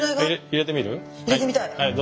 入れてみたい。